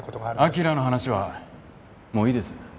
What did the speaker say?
明の話はもういいです。